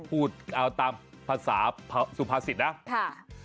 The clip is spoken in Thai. พูดตามภาษาสุภาษิตนะ